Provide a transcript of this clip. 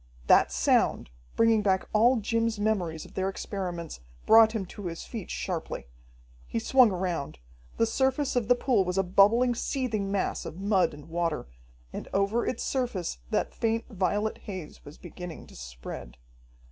That sound, bringing back all Jim's memories of their experiments, brought him to his feet sharply. He swung around. The surface of the pool was a bubbling, seething mass of mud and water. And over its surface that faint violet haze was beginning to spread.